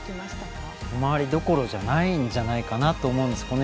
ひと回りどころじゃないんじゃないかなと思います。